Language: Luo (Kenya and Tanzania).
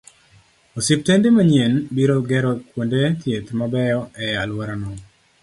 Osiptende manyien biro gero kuonde thieth mabeyo e alworano